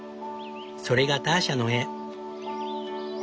それがターシャの絵。